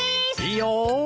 いいよ。